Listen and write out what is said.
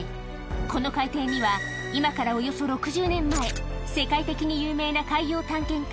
この海底には今からおよそ６０年前世界的に有名な海洋探検家